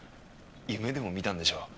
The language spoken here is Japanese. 夢でも見たんでしょう。